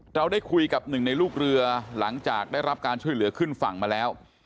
เราได้คุยกับหนึ่งในลูกเรือหลังจากได้รับการช่วยเหลือขึ้นฝั่งมาแล้ว